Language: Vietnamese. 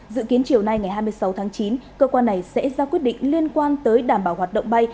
dự kiến chiều nay ngày hai mươi sáu tháng chín cơ quan này sẽ ra quyết định liên quan tới đảm bảo hoạt động bay